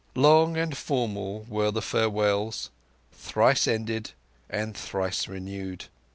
Long and formal were the farewells, thrice ended and thrice renewed.